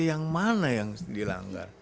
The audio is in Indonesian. yang mana yang dilanggar